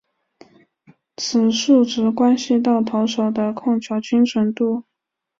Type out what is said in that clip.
此数值关系到投手的控球精准度。